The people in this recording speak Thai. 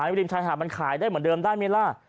ให้พีรีมชายขายเป็นขายได้เหมือนเดิมได้เมล่า